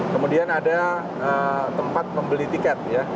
kemudian ada tempat membeli tiket ya